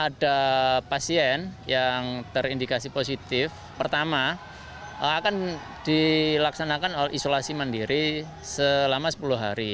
ada pasien yang terindikasi positif pertama akan dilaksanakan isolasi mandiri selama sepuluh hari